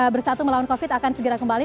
bersatu melawan covid akan segera kembali